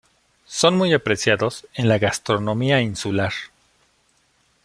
Son muy apreciados en la gastronomía insular.